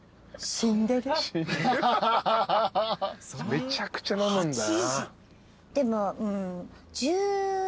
めちゃくちゃ飲むんだな。